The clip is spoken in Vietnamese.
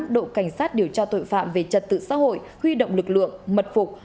đội cảnh sát điều tra tội phạm về trật tự xã hội huy động lực lượng mật phục